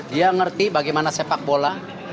dia ngerti bagaimana sepak bola